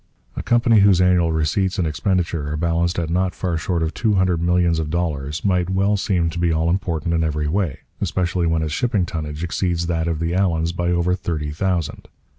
A company whose annual receipts and expenditure are balanced at not far short of two hundred millions of dollars might well seem to be all important in every way, especially when its shipping tonnage exceeds that of the Allans by over thirty thousand.